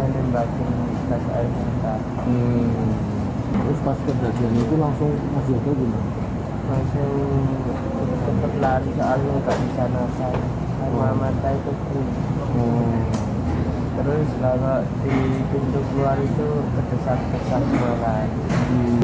terus kalau di pintu keluar itu terdesak desak dua kali